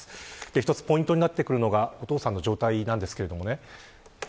一つポイントになってくるのがお父さんの状態です。